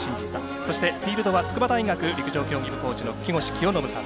そしてフィールドは筑波大学陸上競技部の木越清信さん。